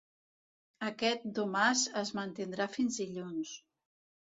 Aquest domàs es mantindrà fins dilluns.